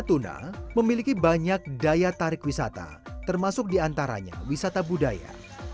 natuna memiliki banyak daya tarik wisata termasuk diantaranya wisata budaya